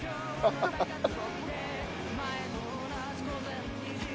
ハハハハハ！